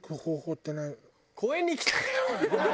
公園に行きたいの？